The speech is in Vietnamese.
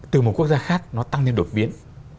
từ một quốc gia khác nó tăng lên đột biến